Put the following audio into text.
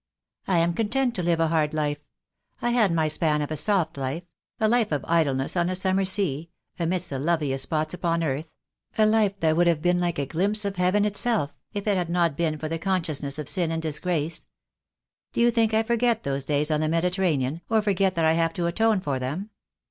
"I am content to live a hard life. I had my span of a soft life — a life of idleness on a summer sea, amidst the loveliest spots upon earth — a life that would have been like a glimpse of Heaven itself, if it had not been 2 86 THE DAY WILL COME. for the consciousness of sin and disgrace. Do you think I forget those days on the Mediterranean, or forget that I have to atone for them?